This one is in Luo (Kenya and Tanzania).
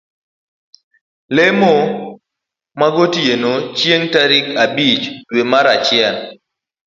lemo magotiene chieng' tarik abich dwe mar achiel.